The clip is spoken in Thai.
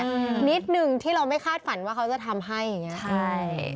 นิดนึงที่เราไม่คาดฝันว่าเขาจะทำให้อย่างเงี้ใช่